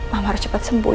mama harus cepat sembuh ya